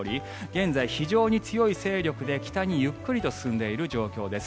現在、非常に強い勢力で北にゆっくりと進んでいる状況です。